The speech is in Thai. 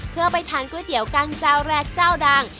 เพื่อไปทานก๋วยเตี๋ยวกันเจ้าแรกเจ้าดัง